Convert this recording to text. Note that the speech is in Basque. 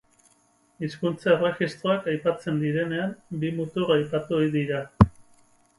Hizkuntza-erregistroak aipatzen direnean, bi mutur aipatu ohi dira.